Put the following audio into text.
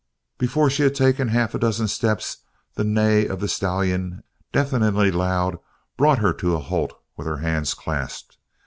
Before she had taken half a dozen steps the neigh of the stallion, deafeningly loud, brought her to a halt with her hands clasped.